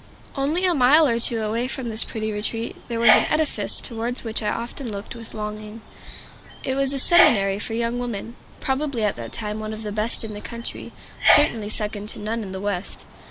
Only a mile or two away from this pretty retreat there was an edifice towards which I often looked with longing. It was a seminary for young women, probably at that time one of the best in the country, certainly second to none in the West.